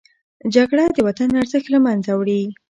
جګړه د وطن ارزښت له منځه وړي